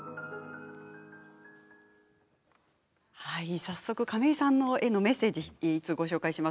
早速、亀井さんへのメッセージがきています。